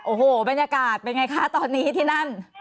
โอ้โหบรรยากาศเป็นไงคะตอนนี้ที่นั่น